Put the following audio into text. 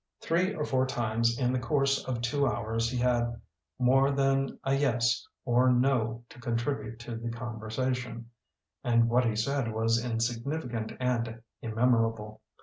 Three or four times in the course of two hours he had more than a yes or no to contribute to the conversation, and what he said was insignificant and inunemorable.